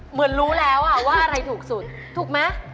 เหมือนรู้แล้วว่าอะไรถูกสุดถูกไหม